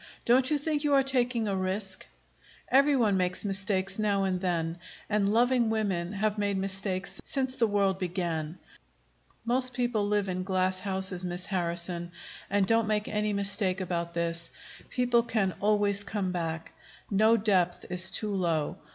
"Don't you think you are taking a risk?" "Every one makes mistakes now and then, and loving women have made mistakes since the world began. Most people live in glass houses, Miss Harrison. And don't make any mistake about this: people can always come back. No depth is too low.